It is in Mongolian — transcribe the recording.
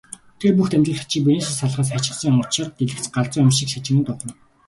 Тэр бүх дамжуулагчийг биенээсээ салгаад хаячихсан учир дэлгэц галзуу юм шиг шажигнан дуугарна.